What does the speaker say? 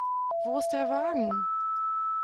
Wo ist der Wagen?